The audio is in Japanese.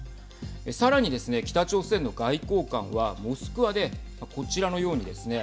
さらにですね、北朝鮮の外交官はモスクワでこちらのようにですね